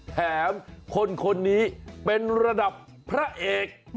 แถมคนนี้เป็นระดับพระเอก